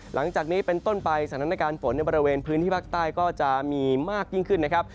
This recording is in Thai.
หลังจากนี้เป็นต้นไปสถานการณ์ฝนในบริเวณพื้นที่ภาคใต้ก็จะมีมากยิ่งขึ้นนะครับ